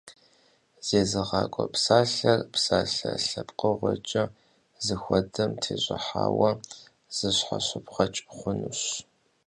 Зезыгъакӏуэ псалъэр псалъэ лъэпкъыгъуэкӏэ зыхуэдэм тещӏыхьауэ зыщхьэщыбгъэкӏ хъунущ.